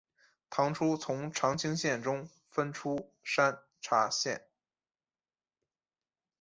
唐初从长清县中分出山荏县。